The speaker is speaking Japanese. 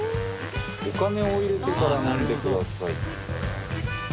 「お金を入れてから飲んで下さい」